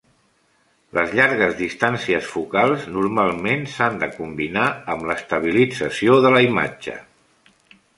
Les llargues distàncies focals normalment s'han de combinar amb l'estabilització de la imatge.